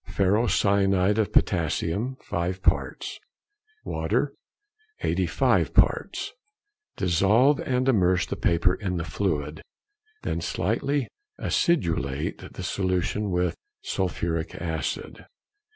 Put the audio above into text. Ferro cyanide of potassium, 5 parts. Water, 85 parts. Dissolve and immerse the paper in the fluid, then slightly acidulate the solution with sulphuric acid.